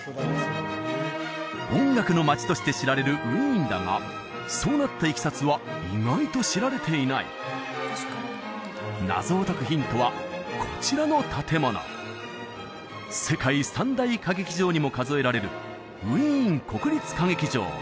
音楽の街として知られるウィーンだがそうなったいきさつは意外と知られていない謎を解くヒントはこちらの建物世界三大歌劇場にも数えられるウィーン国立歌劇場